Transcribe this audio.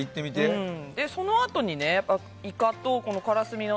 そのあとにイカとからすみの。